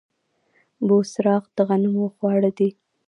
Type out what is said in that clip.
بوسراغ د غنمو خواړه دي.